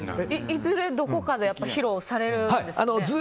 いずれどこかで披露されるんですよね。